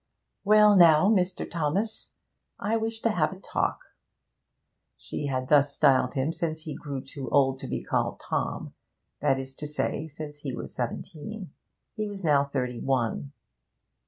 'Well, now, Mr. Thomas, I wish to have a talk.' She had thus styled him since he grew too old to be called Tom; that is to say, since he was seventeen. He was now thirty one.